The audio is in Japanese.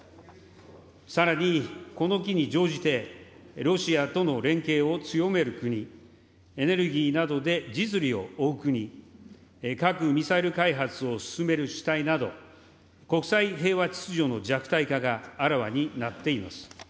さらにこの機に乗じて、ロシアとの連携を強める国、エネルギーなどで実利を追う国、核・ミサイル開発を進める主体など、国際平和秩序の弱体化があらわになっています。